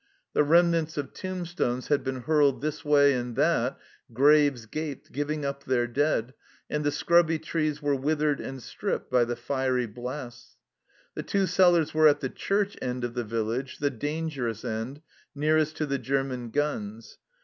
The remnants of tombstones had been hurled this way and that, graves gaped, giving up their dead, and the scrubby trees were withered and stripped by the fiery blasts. The two cellars were at the church end of the village, the dangerous end, nearest to the German guns.